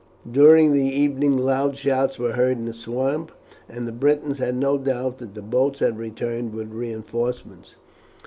During the evening loud shouts were heard in the swamp, and the Britons had no doubt that the boats had returned with reinforcements.